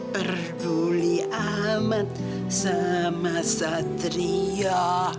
perguli amat sama satria